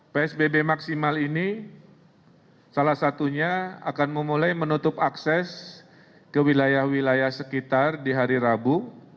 psbb maksimal ini salah satunya akan memulai menutup akses ke wilayah wilayah sekitar di hari rabu